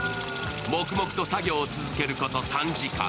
黙々と作業を続けること３時間。